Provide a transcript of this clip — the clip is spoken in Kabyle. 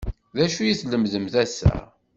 D acu i tlemdemt ass-a?